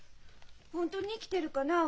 本当に生きてるかなあ？